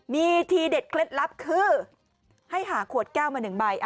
มีทีเด็ดเคล็ดลับคือให้หาขวดแก้วมา๑ใบ